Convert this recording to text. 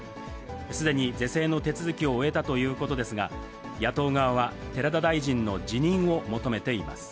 すでに是正の手続きを終えたということですが、野党側は寺田大臣の辞任を求めています。